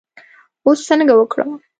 اوس څنګه وکړم.